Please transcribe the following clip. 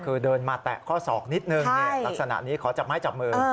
คือเดินมาแตะข้อศอกนิดนึงลักษณะนี้ขอจับไม้จับมือ